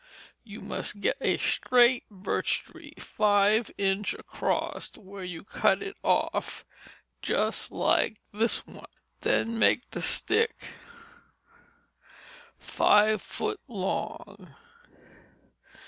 you must get a straight birch tree five inch acrost where you cut it off, just like this one. Then make the stick six foot long.